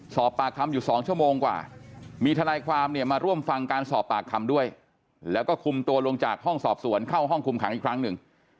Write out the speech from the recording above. สอบปากคำอยู่๒ชั่วโมงกว่ามีทนายความเนี่ยมาร่วมฟังการสอบปากคำด้วยแล้วก็คุมตัวลงจากห้องสอบสวนเข้าห้องคุมขังอีกครั้งหนึ่ง